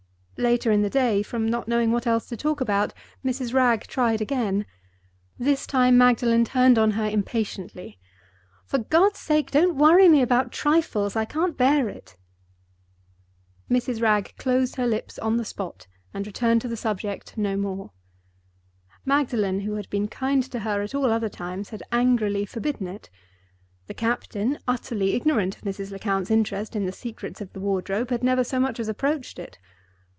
Later in the day, from not knowing what else to talk about, Mrs. Wragge tried again. This time Magdalen turned on her impatiently. "For God's sake, don't worry me about trifles! I can't bear it." Mrs. Wragge closed her lips on the spot, and returned to the subject no more. Magdalen, who had been kind to her at all other times, had angrily forbidden it. The captain—utterly ignorant of Mrs. Lecount's interest in the secrets of the wardrobe—had never so much as approached it.